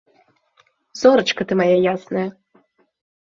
Зорачка ты мая ясная!